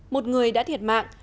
một người đã thiệt mạng